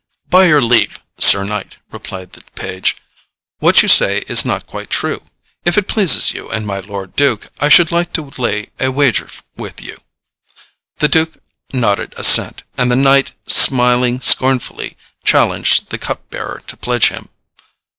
"By your leave, Sir Knight," replied the page, "what you say is not quite true. If it pleases you and my lord Duke, I should like to lay a wager with you." The duke nodded assent, and the knight, smiling scornfully, challenged the cup bearer to pledge him.